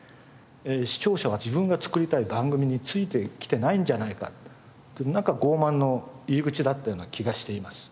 視聴者は自分が作りたい番組についてきてないんじゃないかとなんか傲慢の入り口だったような気がしています。